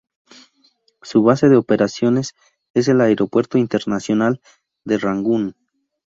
Su base de operaciones es el Aeropuerto Internacional de Rangún.